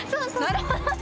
なるほどね。